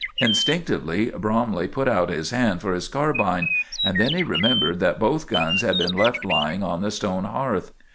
Instinctively Bromley put out his hand for his carbine, and then he remembered that both guns had been left lying on the stone hearth.